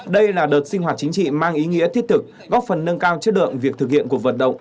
đây là đợt sinh hoạt chính trị mang ý nghĩa thiết thực góp phần nâng cao chất lượng việc thực hiện cuộc vận động